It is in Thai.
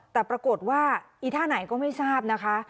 แต่ปรากฏว่าอีท่าไหนก็ไม่ทราบนะคะ